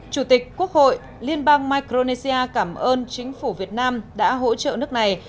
chủ tịch quốc hội liên bang micronesia cảm ơn chính phủ việt nam đã hỗ trợ nước này